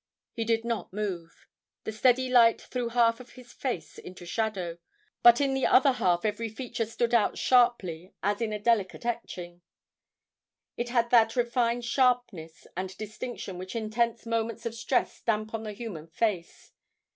He did not move. The steady light threw half of his face into shadow. But in the other half every feature stood out sharply as in a delicate etching. It had that refined sharpness and distinction which intense moments of stress stamp on the human face.